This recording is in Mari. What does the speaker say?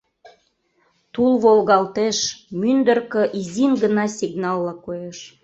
Тул волгалтеш, мӱндыркӧ изин гына сигналла коеш.